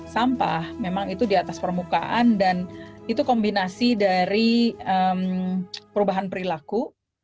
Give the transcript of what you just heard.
sampah memang itu di atas permukaan dan itu kombinasi dari perubahan perilaku